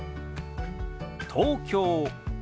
「東京」。